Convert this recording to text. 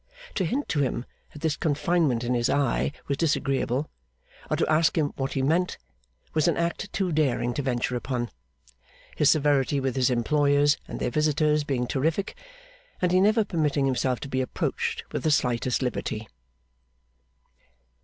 To hint to him that this confinement in his eye was disagreeable, or to ask him what he meant, was an act too daring to venture upon; his severity with his employers and their visitors being terrific, and he never permitting himself to be approached with the slightest liberty.